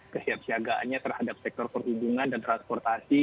kesiapsiagaannya terhadap sektor perhubungan dan transportasi